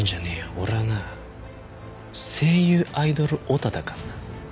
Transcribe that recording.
俺はな声優アイドルヲタだかんな。